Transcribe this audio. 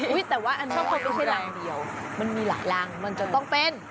อุ้ยแต่ว่าอันนี้ก็ไม่ใช่รังเดียวมันมีหลักรังมันจะต้องเป็น